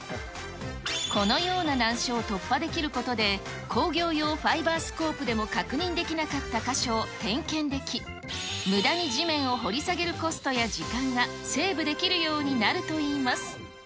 このような難所を突破できることで、工業用ファイバースコープでも確認できなかった箇所を点検でき、むだに地面を掘り下げるコストや時間がセーブできるようになるといいます。